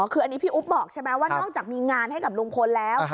คืออันนี้พี่อุ๊บบอกใช่ไหมว่านอกจากมีงานให้กับลุงพลแล้ว